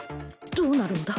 どうなるんだ？